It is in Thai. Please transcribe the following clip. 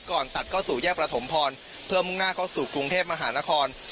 ตัดเข้าสู่แยกประถมพรเพื่อมุ่งหน้าเข้าสู่กรุงเทพมหานคร